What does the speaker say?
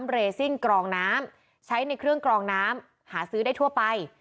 เรซิ่งกรองน้ำใช้ในเครื่องกรองน้ำหาซื้อได้ทั่วไป